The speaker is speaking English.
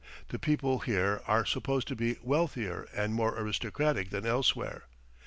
The people here are supposed to be wealthier and more aristocratic than elsewhere.